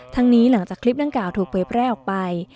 นี้หลังจากคลิปดังกล่าวถูกเผยแพร่ออกไป